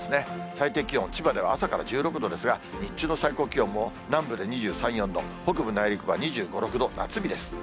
最低気温、千葉では朝から１６度ですが、日中の最高気温も南部で２３、４度、北部内陸部は２５、６度、夏日です。